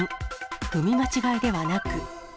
踏み間違いではなく。